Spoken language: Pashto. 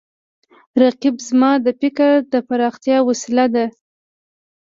رقیب زما د فکر د پراختیا وسیله ده